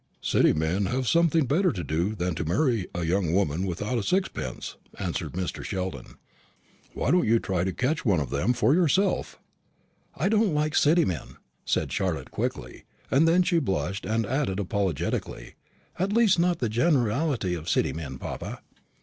"My City men have something better to do than to marry a young woman without a sixpence," answered Mr. Sheldon. "Why don't you try to catch one of them for yourself?" "I don't like City men," said Charlotte quickly; and then she blushed, and added apologetically, "at least not the generality of City men, papa."